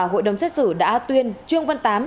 hội đồng xét xử đã tuyên truong văn tám